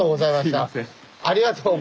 ありがとう。